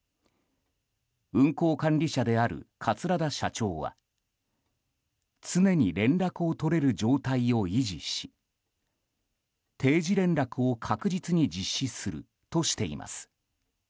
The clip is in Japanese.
運航管理者である桂田社長は常に連絡を取れる状態を維持し定時連絡を確実に実施するとしています。